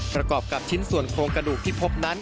ประกอบกับชิ้นส่วนโครงกระดูกที่พบนั้น